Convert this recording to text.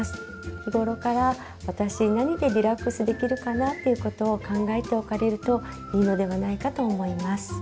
日頃から私何でリラックスできるかなっていうことを考えておかれるといいのではないかと思います。